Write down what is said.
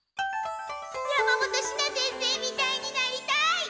山本シナ先生みたいになりたい！